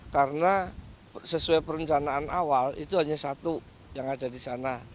karena sesuai perencanaan awal itu hanya satu yang ada di sana